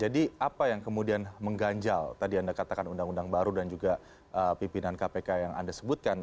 jadi apa yang kemudian mengganjal tadi anda katakan undang undang baru dan juga pimpinan kpk yang anda sebutkan